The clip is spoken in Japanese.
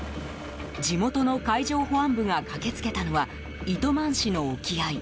地元の海上保安部が駆けつけたのは糸満市の沖合。